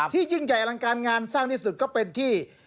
ยิ่งใหญ่อลังการงานสร้างที่สุดก็เป็นที่